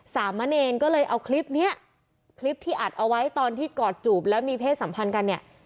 สามะเนรก็เลยเอาคลิปเนี้ยคลิปที่อัดเอาไว้ตอนที่กอดจูบแล้วมีเพศสัมพันธ์กันเนี่ย